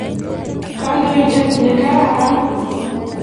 kandoinatet nekararan